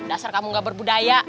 dasar kamu gak berbudaya